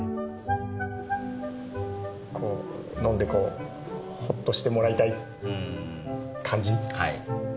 こう飲んでほっとしてもらいたい感じ。